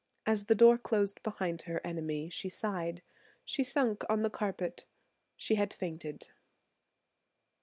As the door closed behind her enemy she sighed; she sunk on the carpet. She had fainted.